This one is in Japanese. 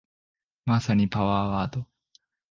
まさにパワーワード